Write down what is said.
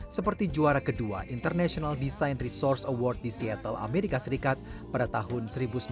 seperti juara kedua international design resource award di seattle amerika serikat pada tahun seribu sembilan ratus sembilan puluh